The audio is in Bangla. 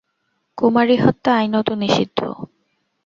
কুমারী হত্যা আইনত নিষিদ্ধ।